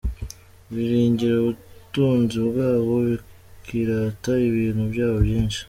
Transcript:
Biringira ubutunzi bwabo, Bakirata ibintu byabo byinshi.